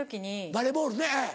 バレーボールね。